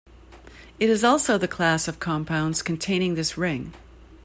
It is also the class of compounds containing this ring.